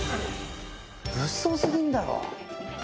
物騒すぎんだろ。